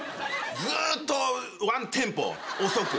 ずっとワンテンポ遅く。